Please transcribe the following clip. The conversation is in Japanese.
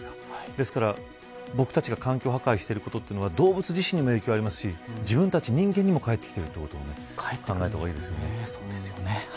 ですから僕たちが環境破壊していることは動物自身にも影響がありますし自分たち人間にもかえってきていることを考えた方がいいですね。